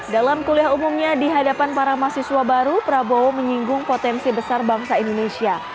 dalam kuliah umumnya di hadapan para mahasiswa baru prabowo menyinggung potensi besar bangsa indonesia